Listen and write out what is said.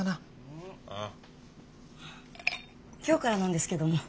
今日からなんですけども。